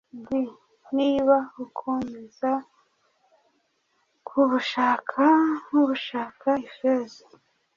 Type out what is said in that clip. d niba ukomeza kubushaka nk ushaka ifeza